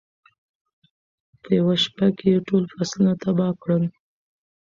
په یوه شپه کې یې ټول فصلونه تباه کړل.